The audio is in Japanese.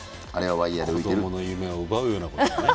子どもの夢を奪うようなことを。